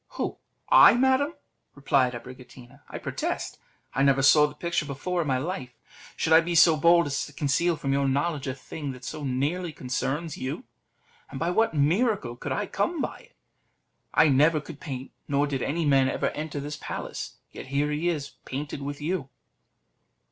"Who! I, madam?" replied Abricotina; "I protest, I never saw the picture before in my life. Should I be so bold as to conceal from your knowledge a thing that so nearly concerns you? And by what miracle could I come by it? I never could paint, nor did any man ever enter this place; yet here he is painted with you."